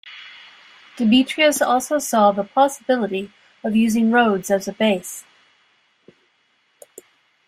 Demetrius also saw the possibility of using Rhodes as a base.